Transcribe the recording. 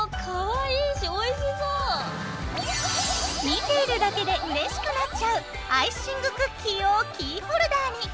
見ているだけでうれしくなっちゃうアイシングクッキーをキーホルダーに！